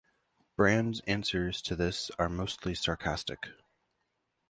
Brand's answers to this are mostly sarcastic.